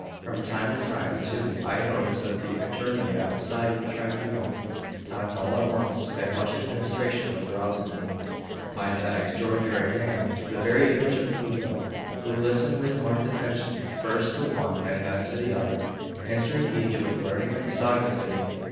From time to time, too, I noticed that the attorneys at the side of the tribunal talked all at once: and much admiration was roused in me by that extraordinary man, the very image of Pluto, who listened with marked attention first to one and then to the other, answering each with learning and sagacity.